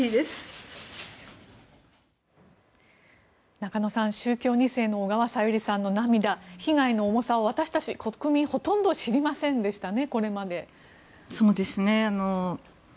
中野さん、宗教２世の小川さゆりさんの涙被害の重さを、私たち国民ほとんど知りませんでしたね。